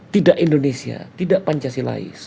tidak indonesia tidak pancasila